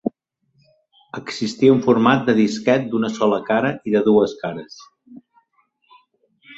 Existia un format de disquet d'una sola cara i de dues cares.